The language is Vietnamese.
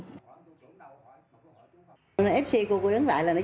fc cô ấy ấn lại là nó giật cơ quan cổ phía trước cô nó chọc luôn cả dây cả mặt luôn về nhà